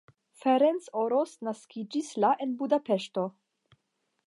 Ferenc Orosz naskiĝis la en Budapeŝto.